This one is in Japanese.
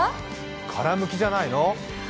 殻むきじゃないの？